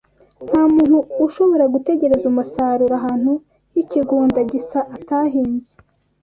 Nta muntu ushobora gutegereza umusaruro ahantu h’ikigunda gisa atahinze